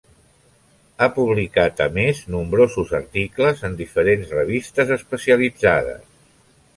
Ha publicat a més nombrosos articles en diferents revistes especialitzades.